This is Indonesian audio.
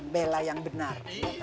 bela yang benar